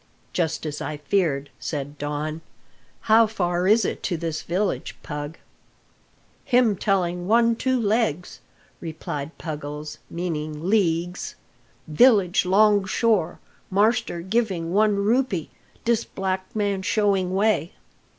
"Just as I feared," said Don. "How far is it to this village, Pug!" "Him telling one two legs," replied Puggles, meaning leagues. "Village 'long shore; marster giving one rupee, dis'black man showing way."